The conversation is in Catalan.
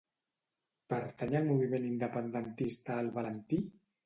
Pertany al moviment independentista el Valenti?